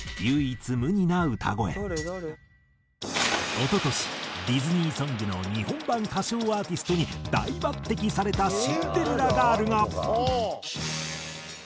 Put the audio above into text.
一昨年ディズニーソングの日本版歌唱アーティストに大抜擢されたシンデレラガールが。